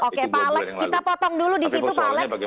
oke pak alex kita potong dulu disitu pak alex